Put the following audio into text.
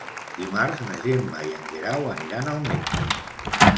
Dimarts na Gemma i en Guerau aniran al metge.